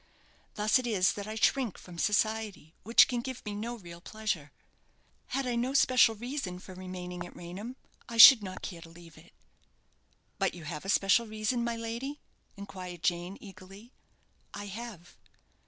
Thus it is that I shrink from society, which can give me no real pleasure. Had I no special reason for remaining at Raynham, I should not care to leave it" "But you have a special reason, my lady?" inquired Jane, eagerly. "I have."